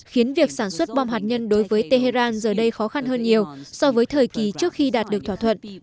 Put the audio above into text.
khiến việc sản xuất bom hạt nhân đối với tehran giờ đây khó khăn hơn nhiều so với thời kỳ trước khi đạt được thỏa thuận